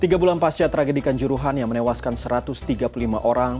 tiga bulan pasca tragedikan juruhan yang menewaskan satu ratus tiga puluh lima orang